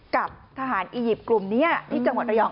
กับทหารอียิปต์กลุ่มนี้ที่จังหวัดระยอง